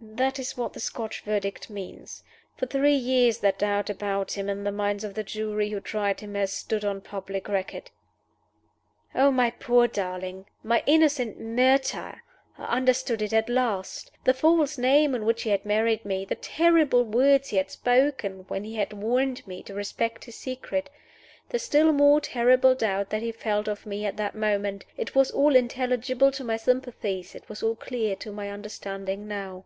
"That is what the Scotch Verdict means. For three years that doubt about him in the minds of the jury who tried him has stood on public record." Oh, my poor darling! my innocent martyr! I understood it at last. The false name in which he had married me; the terrible words he had spoken when he had warned me to respect his secret; the still more terrible doubt that he felt of me at that moment it was all intelligible to my sympathies, it was all clear to my understanding, now.